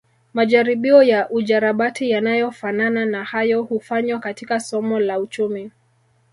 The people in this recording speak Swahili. Majaribio ya ujarabati yanayofanana na hayo hufanywa katika somo la uchumi